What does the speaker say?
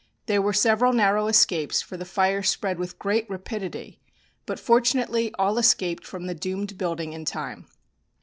There were several narrow escapes, for the fire spread with great rapidity, but, fortunately, all escaped from the doomed building in time.